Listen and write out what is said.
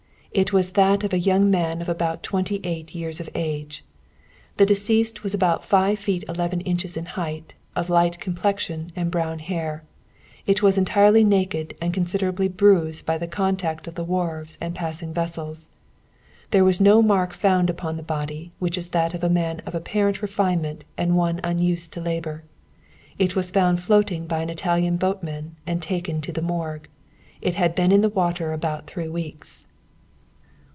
It was that of a young man about twenty eight years of age. The deceased was about five feet eleven inches in height, of light complexion and brown hair. It was entirely naked and considerably bruised by the contact of the wharves and passing vessels. There was no mark found upon the body, which is that of a man of apparent refinement and one unused to labor. It was found floating by an Italian boatman and taken to the morgue. It had been in the water about three weeks."